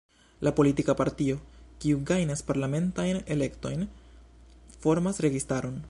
La politika partio, kiu gajnas parlamentajn elektojn, formas registaron.